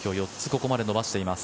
ここまで伸ばしています。